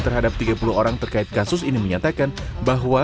terhadap tiga puluh orang terkait kasus ini menyatakan bahwa